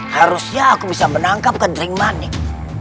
harusnya aku bisa menangkap kendering manik